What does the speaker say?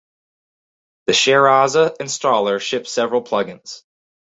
The Shareaza installer ships several plugins.